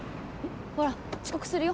ほら遅刻するよ。